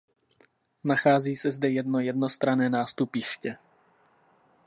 Nachází se zde jedno jednostranné nástupiště.